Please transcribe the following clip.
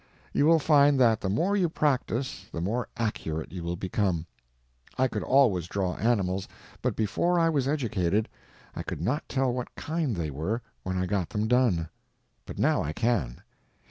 You will find that the more you practice the more accurate you will become. I could always draw animals, but before I was educated I could not tell what kind they were when I got them done, but now I can.